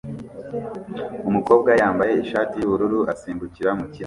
Umukobwa yambaye ishati yubururu asimbukira mu kirere